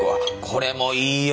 これもいいよ。